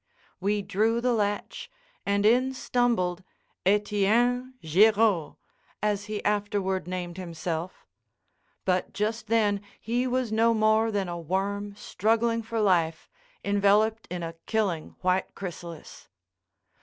We drew the latch, and in stumbled Etienne Girod (as he afterward named himself). But just then he was no more than a worm struggling for life, enveloped in a killing white chrysalis.